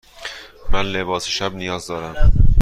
من لباس شب نیاز دارم.